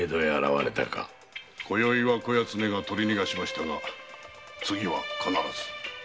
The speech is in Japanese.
今宵はこやつめが取り逃がしましたが次は必ず。